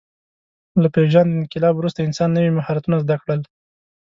له پېژاند انقلاب وروسته انسان نوي مهارتونه زده کړل.